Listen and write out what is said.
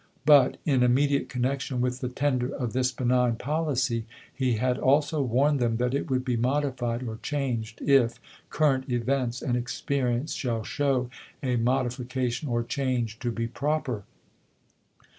But, in immediate connection with the tender of this benign policy, he had also warned them that it would be modified or changed if " current events and experience shall show a modification or change to be proper."